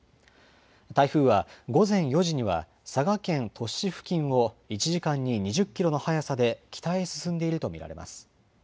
台風は午前４時には佐賀県鳥栖市付近を１時間に２０キロの速さで北へ進んでいるとみられます。